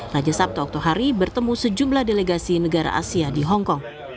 raja sabta oktohari bertemu sejumlah delegasi negara asia di hongkong